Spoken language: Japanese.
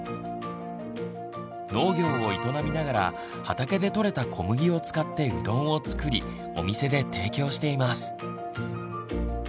農業を営みながら畑でとれた小麦を使ってうどんを作りお店で提供しています。